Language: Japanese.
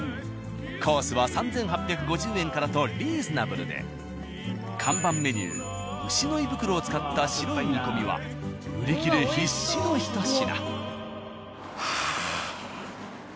コースは３，８５０円からとリーズナブルで看板メニュー牛の胃袋を使った白い煮込みは売り切れ必至のひと品。